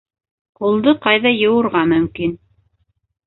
Ҡулды ҡайҙа йыуырға мөмкин?